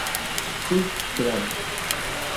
Just Dream!